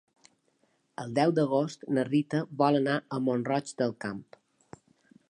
El deu d'agost na Rita vol anar a Mont-roig del Camp.